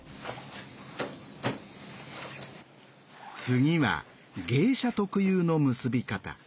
次は芸者特有の結び方。